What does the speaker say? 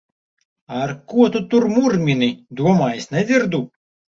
Ar ko tu tur murmini? Domā, es nedzirdu!